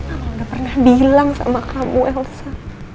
aku udah pernah bilang sama kamu elsa